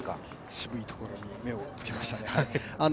渋いところに目をつけましたね